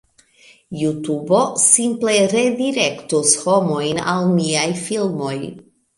JuTubo simple redirektus homojn al miaj filmoj